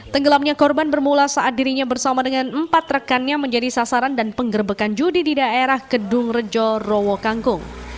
tenggelamnya korban bermula saat dirinya bersama dengan empat rekannya menjadi sasaran dan penggerbekan judi di daerah kedung rejo rowo kangkung